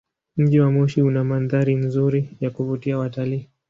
Mji wa Moshi una mandhari nzuri ya kuvutia watalii.